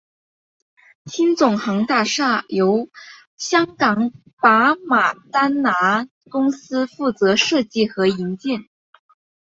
新总行大厦由香港巴马丹拿公司负责设计和营建。